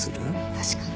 確かに。